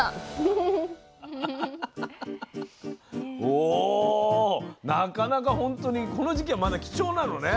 おなかなかほんとにこの時期はまだ貴重なのね。